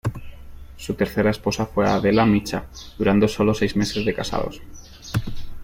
Su tercera esposa fue Adela Micha, durando sólo seis meses de casados.